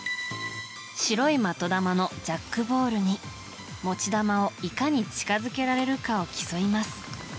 白い的球のジャックボールに持ち球をいかに近づけられるかを競います。